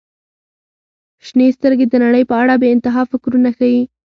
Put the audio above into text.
• شنې سترګې د نړۍ په اړه بې انتها فکرونه ښیي.